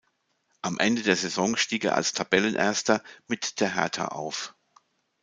Am Ende der Saison stieg er als Tabellenerster mit der Hertha auf.